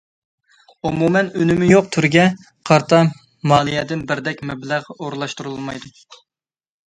ئومۇمەن ئۈنۈمى يوق تۈرگە قارىتا مالىيەدىن بىردەك مەبلەغ ئورۇنلاشتۇرۇلمايدۇ.